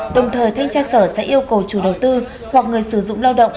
đồng thời thanh tra sở sẽ yêu cầu chủ đầu tư hoặc người sử dụng lao động